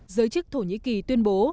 giới chức thổ nhĩ kỳ tuyên bố